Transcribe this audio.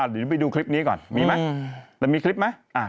เดี๋ยวไปดูคลิปนี้ก่อนมีไหมแต่มีคลิปไหม